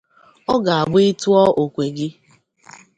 ọ ga-abụ ị tụọ okwe gị